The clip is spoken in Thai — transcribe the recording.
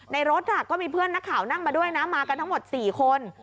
ในรถก็มีเพื่อนนักข่าวนั่งมาด้วยนะมากันทั้งหมด๔คน